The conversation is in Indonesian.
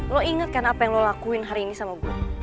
lu inget kan apa yang lu lakuin hari ini sama gua